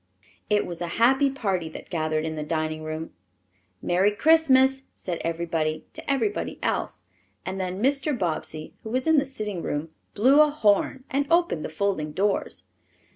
It was a happy party that gathered in the dining room. "Merry Christmas!" said everybody to everybody else, and then Mr. Bobbsey, who was in the sitting room, blew a horn and opened the folding doors.